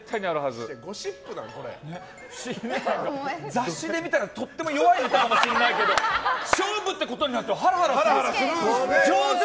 雑誌で見たらとっても弱いネタかもしれないけど勝負ってことになるとハラハラする！